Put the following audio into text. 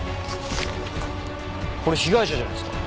これ被害者じゃないですか。